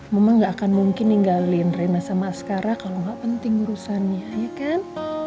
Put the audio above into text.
mama gak akan mungkin ninggalin reina sama askara kalau gak penting urusannya ya kan